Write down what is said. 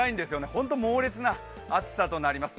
本当に猛烈な暑さとなります。